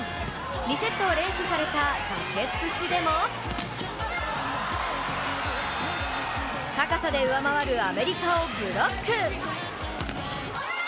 ２セットを連取された崖っぷちでも高さで上回るアメリカをブロック。